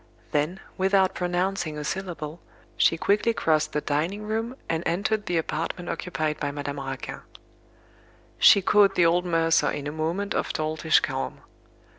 Then, without pronouncing a syllable, she quickly crossed the dining room and entered the apartment occupied by Madame Raquin. She caught the old mercer in a moment of doltish calm.